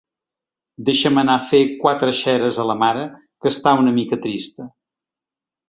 Deixa'm anar a fer quatre xeres a la mare, que està una mica trista.